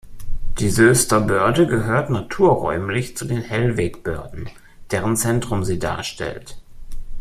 Die Soester Börde gehört naturräumlich zu den Hellwegbörden, deren Zentrum sie darstellt.